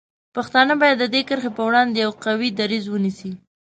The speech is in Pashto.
پښتانه باید د دې کرښې په وړاندې یو قوي دریځ ونیسي.